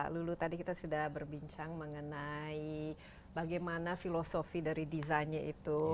lulu tadi kita sudah berbincang mengenai bagaimana filosofi dari desainnya itu